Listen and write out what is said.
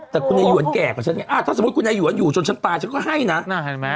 แต่คุณหยวนแก่กว่าฉันไงอ่าถ้าสมมติคุณหยวนชนชั้นตายฉันก็ให้นะ